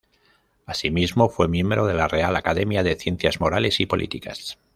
Asimismo fue miembro de la Real Academia de Ciencias Morales y Políticas.